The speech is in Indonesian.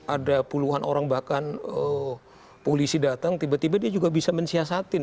ada puluhan orang bahkan polisi datang tiba tiba dia juga bisa mensiasatin